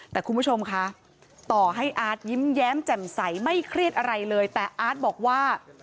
แต่คุณผู้ชมคะต่อให้อาร์ตยิ้มแย้มแจ่มใสไม่เครียดอะไรเลยแต่อาร์ตบอกว่า